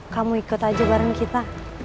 kamu ikut aja bareng kita